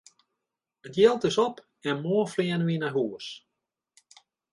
It jild is op en moarn fleane wy nei hús!